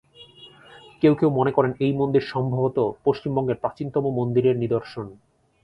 কেউ কেউ মনে করেন, এই মন্দির সম্ভবত পশ্চিমবঙ্গের প্রাচীনতম মন্দিরের নিদর্শন।